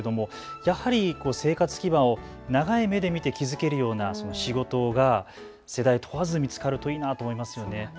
やはり生活基盤を長い目で見て築けるような仕事が世代問わずに見つかるといいなと思います。